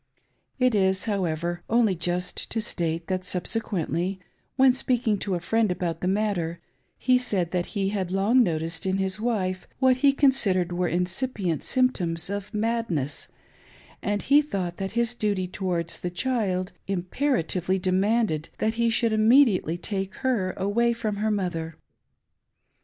It isi however, only just to state, that subsequently, when speaking to a friend about the matter, he said that he had long noticed in his wife, what he considered were incipient symptoms of madness, and he thought that his duty towards the child imperatively demanded that he should immediately take her away from her mother.